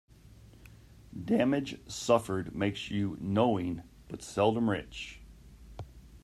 Damage suffered makes you knowing, but seldom rich.